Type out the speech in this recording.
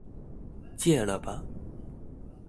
戒了吧